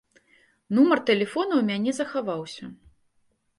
Нумар тэлефона ў мяне захаваўся.